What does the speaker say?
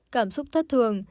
cảm xúc thất thường